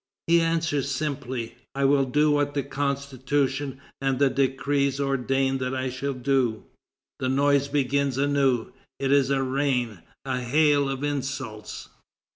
He answers simply: "I will do what the Constitution and the decrees ordain that I shall do." The noise begins anew. It is a rain, a hail of insults.